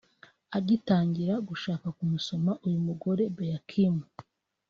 Agitangira gushaka kumusoma uyu mugore Bea Kim